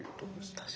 確かに。